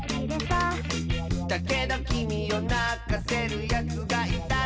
「だけどきみをなかせるやつがいたら」